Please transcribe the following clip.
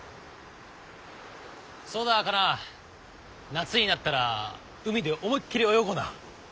そうだカナ夏になったら海で思いっきり泳ごうな。